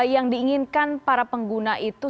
yang diinginkan para pengguna itu